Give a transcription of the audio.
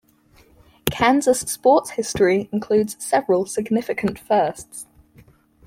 Kansas sports history includes several significant firsts.